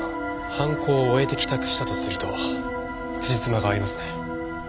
犯行を終えて帰宅したとすると辻褄が合いますね。